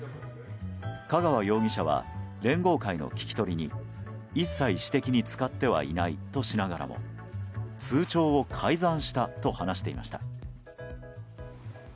香川容疑者は連合会の聞き取りに一切私的に使ってはいないとしながらも通帳を改ざんしたと話していました。